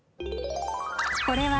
これは